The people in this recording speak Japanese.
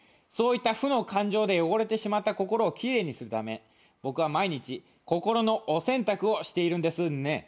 そういった負の感情で汚れてしまった心を奇麗にするため僕は毎日心のお洗濯をしているんですね。